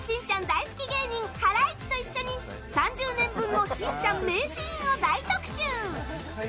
大好き芸人ハライチと一緒に３０年分のしんちゃん名シーンを大特集！